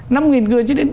năm nghìn người